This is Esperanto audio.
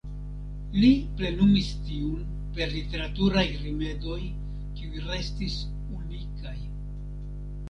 Li plenumis tiun per literaturaj rimedoj kiuj restas unikaj.